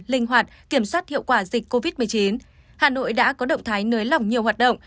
linh hoạt kiểm soát hiệu quả dịch covid một mươi chín hà nội đã có động thái nới lỏng nhiều hoạt động